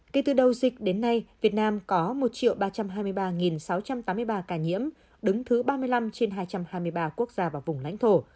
kể từ đầu dịch đến nay việt nam có một ba trăm hai mươi ba sáu trăm tám mươi ba ca nhiễm đứng thứ ba mươi năm trên hai trăm hai mươi ba quốc gia và vùng lãnh thổ